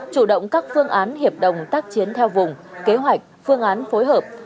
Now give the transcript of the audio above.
chủ động các phương án hiệp đồng tác chiến theo vùng kế hoạch phương án phối hợp